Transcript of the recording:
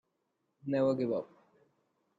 Never give up.